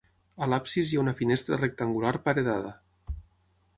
A l'absis hi ha una finestra rectangular paredada.